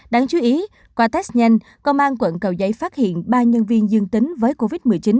đáng chú ý qua test nhanh công an quận cầu giấy phát hiện ba nhân viên dương tính với covid một mươi chín